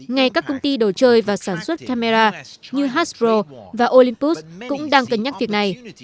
ngay các công ty đồ chơi và sản xuất camera như hasbro và olympus cũng đang cân nhắc việc này